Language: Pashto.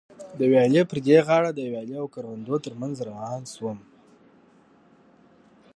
د ویالې پر دې غاړه د ویالې او کروندو تر منځ روان شوم.